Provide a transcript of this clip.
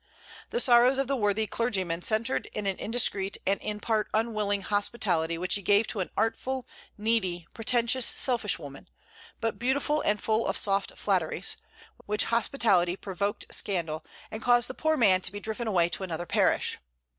The sorrows of the worthy clergyman centered in an indiscreet and in part unwilling hospitality which he gave to an artful, needy, pretentious, selfish woman, but beautiful and full of soft flatteries; which hospitality provoked scandal, and caused the poor man to be driven away to another parish.